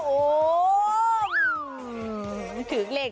โอ้โห